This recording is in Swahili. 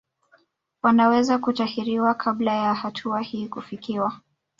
Wanaweza kutahiriwa kabla ya hatua hii kufikiwa